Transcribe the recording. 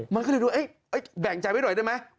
มันก็เลยดูแบ่งใจไว้หน่อยได้ไหม